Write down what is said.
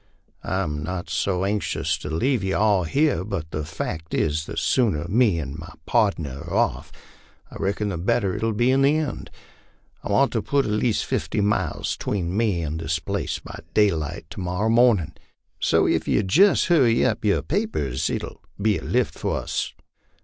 "I'm not so anxious to leave yer all here, but the fact is, the sooner me and pardner are off, I reckon the better it'll be in the end. I want to put at least fifty miles 'tween me and this place by daylight to mor rer mornin', so if yer'll jest hurry up yer papers, it'll be a lift for us."